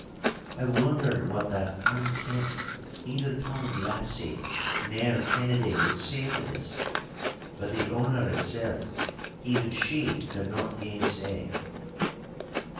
I wondered what that unkempt, ill tongued lassie, Nell Kennedy, would say to this. But the honour itself even she could not gainsay.